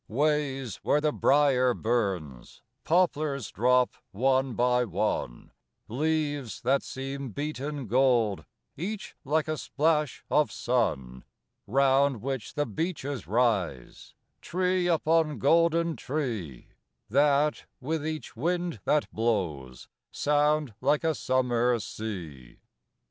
Ways where the brier burns; poplars drop, one by one, Leaves that seem beaten gold, each like a splash of sun: Round which the beeches rise, tree upon golden tree, That, with each wind that blows, sound like a summer sea.